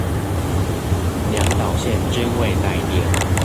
兩導線均未帶電